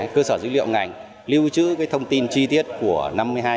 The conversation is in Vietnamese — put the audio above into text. cơ sở dữ liệu ngành lưu trữ thông tin chi tiết của năm hai nghìn một mươi hai